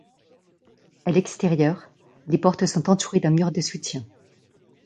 À l'extérieur, les portes sont entourées d'un mur de soutien.